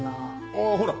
あぁほら！